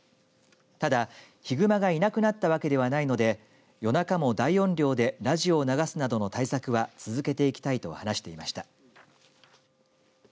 ただ、ヒグマがいなくなったわけではないので夜中も大音量でラジオを流すなどの対策は続けていきたいと話していました。